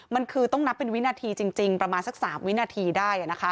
มันคือต้องนับเป็นวินาทีจริงประมาณสัก๓วินาทีได้